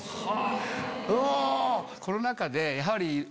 コロナ禍でやはり。